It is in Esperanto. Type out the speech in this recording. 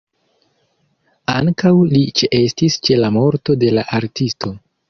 Ankaŭ li ĉeestis ĉe la morto de la artisto.